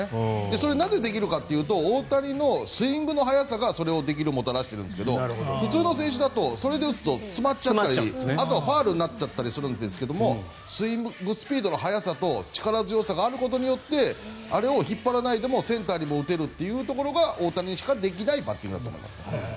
それ、なぜできるかというと大谷のスイングの速さがそれをもたらしているんですが普通の選手だとそれで打つと詰まったりファウルになったりするんですけどスイングスピードの速さと力強さがあることによってあれを引っ張らないでもセンターにも打てるというところが大谷にしかできないバッティングだと思います。